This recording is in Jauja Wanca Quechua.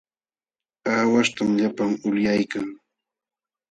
Aawahtam llapan ulyaykan.